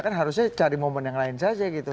kan harusnya cari momen yang lain saja gitu